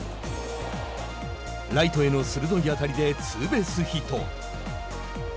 ライトへの鋭い当たりでツーベースヒット。